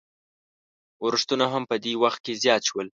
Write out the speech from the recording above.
اورښتونه هم په دې وخت کې زیات شول.